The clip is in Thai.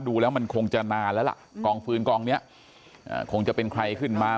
ดูแล้วมันคงจะนานแล้วล่ะกองฟื้นกองนี้คงจะเป็นใครขึ้นมา